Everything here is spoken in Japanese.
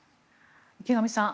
池上さん